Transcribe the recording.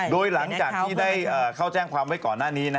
โดยหลังจากที่ได้เข้าแจ้งความไว้ก่อนหน้านี้